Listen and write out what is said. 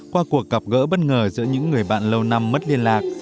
qua cuộc gặp gỡ bất ngờ giữa những người bạn lâu năm mất liên lạc